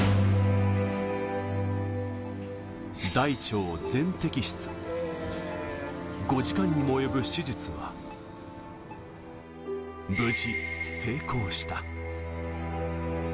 大腸全摘出、５時間にも及ぶ手術は無事成功した。